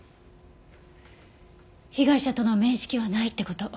被害者との面識はないって事。